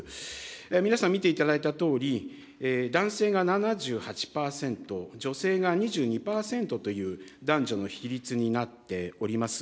皆さん見ていただいたとおり、男性が７８％、女性が２２％という男女の比率になっております。